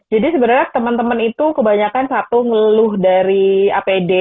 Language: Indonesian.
jadi sebenarnya teman teman itu kebanyakan satu ngeluh dari apd